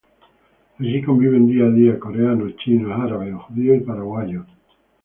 Allí conviven día a día, coreanos, chinos, árabes, judíos y paraguayos.